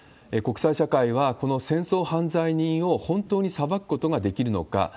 国際社会はこの戦争犯罪人を本当に裁くことができるのか。